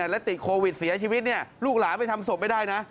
และติดโควิดเสียชีวิตลูกหลานไปทำศพไม่ได้นะ